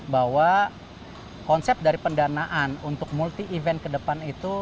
bahwa konsep dari pendanaan untuk multi event ke depan itu